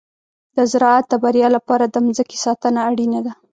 د زراعت د بریا لپاره د مځکې ساتنه اړینه ده.